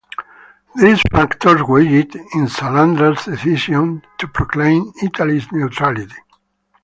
This factors weighed in Salandra's decision to proclaim Italy's neutrality.